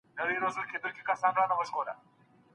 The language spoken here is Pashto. اوږده ډوډۍ ماڼۍ ته په وړلو سره سړه سوه.